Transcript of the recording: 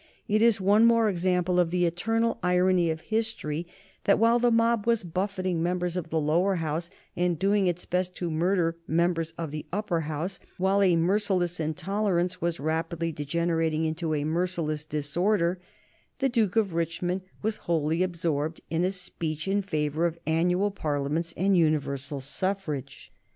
It is one more example of the eternal irony of history that, while the mob was buffeting members of the Lower House, and doing its best to murder members of the Upper House, while a merciless intolerance was rapidly degenerating into a merciless disorder, the Duke of Richmond was wholly absorbed in a speech in favor of annual parliaments and universal suffrage.